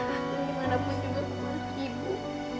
aku dimanapun juga kuji ibu